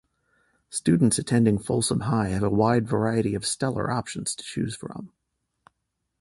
Students attending Folsom High have a wide variety of stellar options to choose from.